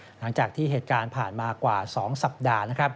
หลังจากที่เหตุการณ์ผ่านมากว่า๒สัปดาห์นะครับ